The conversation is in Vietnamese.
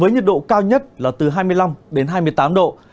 nhiệt độ cao nhất là từ hai mươi năm đến hai mươi tám độ